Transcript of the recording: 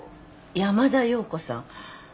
山田洋子さん。